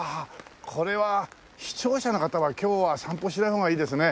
これは視聴者の方は今日は散歩しない方がいいですね。